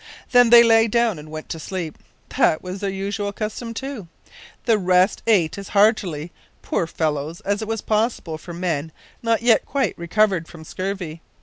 Then they lay down and went to sleep that was their usual custom, too. The rest ate as heartily, poor fellows, as was possible for men not yet quite recovered from scurvy.